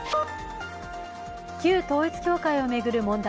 旧統一教会を巡る問題。